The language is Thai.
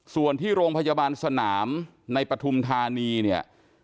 ส่วนที่โรงพยาบาลสนามในปฐุมธานีเนี่ย